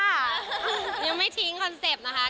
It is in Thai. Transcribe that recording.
ยังไม่ทิ้งคอนเซ็ปต์นะคะ